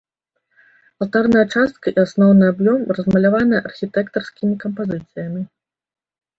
Алтарная частка і асноўны аб'ём размаляваныя архітэктарскімі кампазіцыямі.